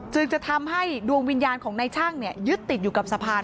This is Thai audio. จึงจะทำให้ดวงวิญญาณของนายช่างยึดติดอยู่กับสะพาน